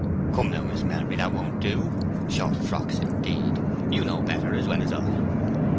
"Come now, Miss Melbury, that won't do! Short frocks, indeed! You know better, as well as I."